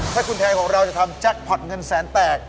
ถ้าคุณแทนของเราจะทำแจ็คพอร์ตเงินแสนแตก